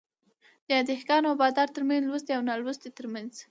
يا دهقان او بادار ترمنځ ،لوستي او نالوستي ترمنځ